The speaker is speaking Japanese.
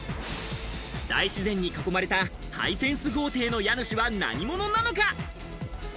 大自然に囲まれたハイセンス豪邸の家主は何者なのか？